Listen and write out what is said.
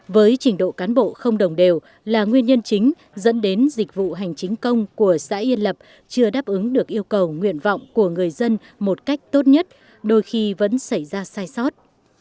với trình độ cán bộ không đồng đều là nguyên nhân chính dẫn đến dịch vụ hành chính công của xã yên lập chưa đáp ứng được yêu cầu nguyện vọng của người dân một cách tốt nhất đôi khi vẫn xảy ra sai sót